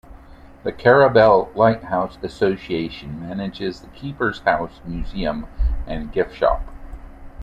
The Carrabelle Lighthouse Association manages the Keeper's House Museum and gift shop.